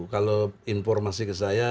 kalau informasi ke saya